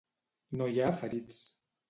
No hi ha ferits.